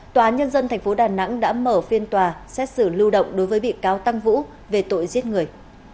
tòa nhân dân tp đà nẵng đã mở phiên tòa xét xử lưu động đối với bị cáo tăng vũ về tội giết người